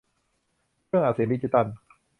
เครื่องอัดเสียงดิจิทัล